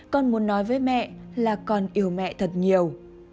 con muốn nói với mẹ là còn yêu mẹ thật nhiều